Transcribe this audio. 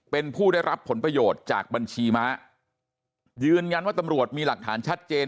เป็นผู้ได้รับผลประโยชน์จากบัญชีม้ายืนยันว่าตำรวจมีหลักฐานชัดเจน